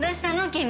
君。